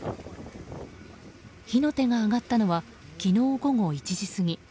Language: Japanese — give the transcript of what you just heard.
火の手が上がったのは昨日午後１時過ぎ。